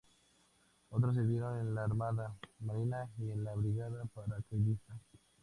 Otros sirvieron en la Armada|Marina y en la Brigada Paracaidista.